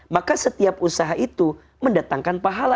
maka setiap usaha itu mendatangkan pahala